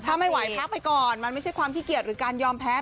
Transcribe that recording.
ถ้าไม่ไหวพักไปก่อนมันไม่ใช่ความขี้เกียจหรือการยอมแพ้